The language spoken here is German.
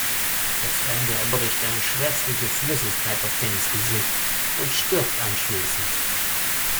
Der Fremde erbricht eine schwärzliche Flüssigkeit auf Dannys Gesicht und stirbt anschließend.